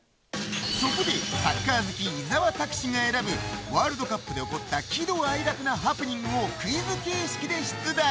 そこで、サッカー好き伊沢拓司が選ぶワールドカップで起こった喜怒哀楽のハプニングをクイズ形式で出題。